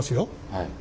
はい。